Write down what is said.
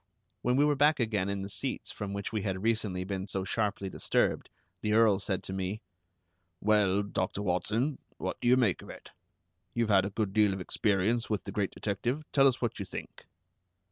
When we were back again in the seats from which we had recently been so sharply disturbed, the Earl said to me: "Well, Doctor Watson, what do you make of it? You've had a good deal of experience with the great detective. Tell us what you think."